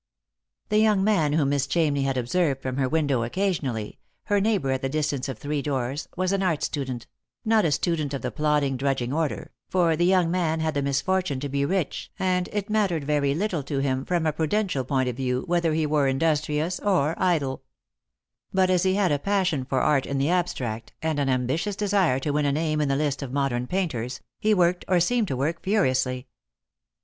" The young man whom Miss Chamney had observed from her window occasionally — her neighbour at the distance of three doors — was an art student — not a student of the plodding, drudging order ; for the young man had the misfortune to be rich, and it mattered very little to him, from a prudential point of view, whether he were industrious or idle, ^"t as he had a Lost for Love. 23 passion for art in the abstract, and an ambitions desire to win a name in the list of modern painters, he worked, or seemed to work, furiously.